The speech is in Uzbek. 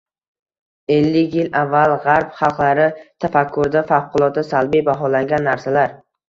Ellik yil avval g‘arb xalqlari tafakkurida favqulodda salbiy baholangan narsalar